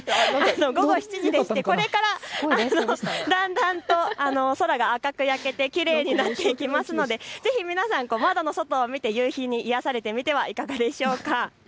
午後７時でして、これからだんだんと空が赤く焼けてきれいになっていくのでぜひ皆さん、窓の外を見て夕日に癒やされてみてはいかがでしょうか。